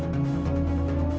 aku mau ke rumah